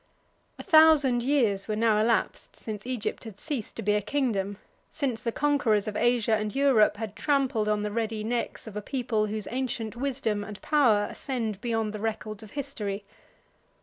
A thousand years were now elapsed since Egypt had ceased to be a kingdom, since the conquerors of Asia and Europe had trampled on the ready necks of a people, whose ancient wisdom and power ascend beyond the records of history.